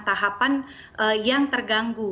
tahapan yang terganggu